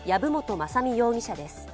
雅巳容疑者です。